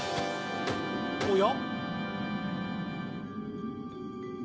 おや？